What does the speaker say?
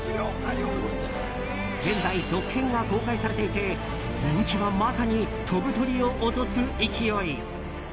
現在、続編が公開されていて人気はまさに飛ぶ鳥を落とす勢い。